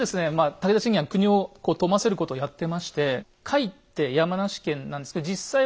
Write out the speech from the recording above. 武田信玄は国を富ませることをやってまして甲斐って山梨県なんですけど実際は「山あり県」じゃないですか。